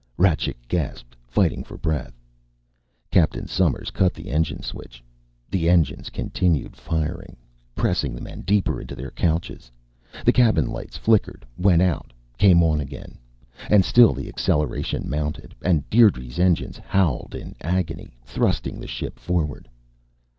Rajcik gasped, fighting for breath. Captain Somers cut the engine switch. The engines continued firing, pressing the men deeper into their couches. The cabin lights flickered, went out, came on again. And still the acceleration mounted and Dierdre's engines howled in agony, thrusting the ship forward.